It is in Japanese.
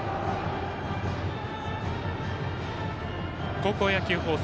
高校野球放送